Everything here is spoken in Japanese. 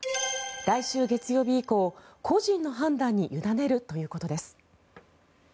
来週月曜日以降、個人の判断に委ねるということです。